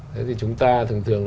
thế thì chúng ta thường thường